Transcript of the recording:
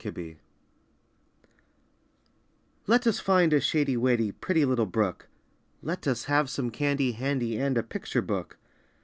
IN JULY Let us find a shady wady Pretty little brook; Let us have some candy handy, And a picture book.